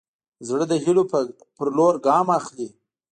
زړه د هيلو په لور ګام اخلي.